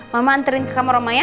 mama anterin ke kamar oma ya